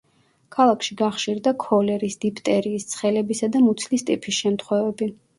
ქალაქში გახშირდა ქოლერის, დიფტერიის, ცხელების და მუცლის ტიფის შემთხვევები.